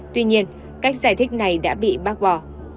tuy nhiên cách giải thích này đã bị bác bỏ